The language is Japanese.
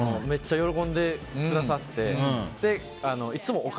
めっちゃ喜んでくださって言い方。